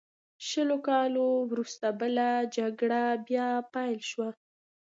شلو کالو وروسته بله جګړه بیا پیل شوه.